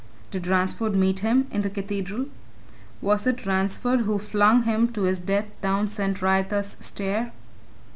4. Did Ransford meet him in the Cathedral? 5. Was it Ransford who flung him to his death down St. Wrytha's Stair?